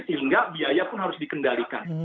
sehingga biaya pun harus dikendalikan